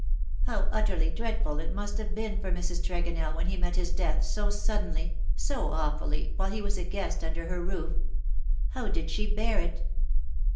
How utterly dreadful it must have been for Mrs. Tregonell when he met his deaths so suddenly, so awfully, while he was a guest under her roof. How did she bear it